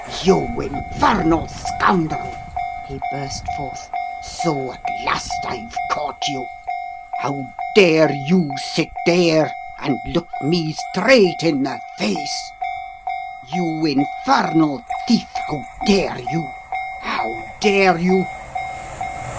"You infernal scoundrel!" he burst forth, "so at last I've caught you! How dare you sit there and look me straight in the face? You infernal thief, how dare you? how dare you?"